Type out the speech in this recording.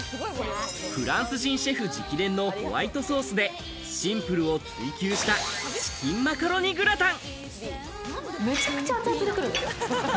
フランス人シェフ直伝のホワイトソースでシンプルを追求したチキンマカロニグラタン。